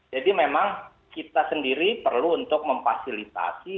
jadi memang kita sendiri perlu untuk memfasilitasi